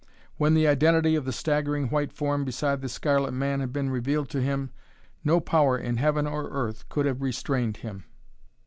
When the identity of the staggering white form beside the scarlet man had been revealed to him, no power in heaven or earth could have restrained him.